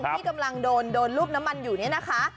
ที่กำลังโดนรูปน้ำมันอยู่เนี่ยนะคะ